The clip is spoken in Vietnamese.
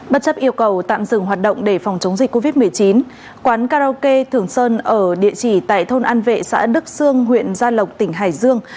bất chấp yêu cầu tạm dừng hoạt động để phòng chống dịch covid một mươi chín quán karaoke thường sơn ở địa chỉ tại thôn an vệ xã đức sương huyện gia lộc tỉnh hải dương